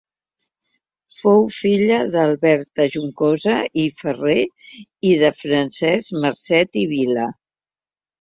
Fou filla d'Alberta Juncosa i Ferrer i de Francesc Marcet i Vila.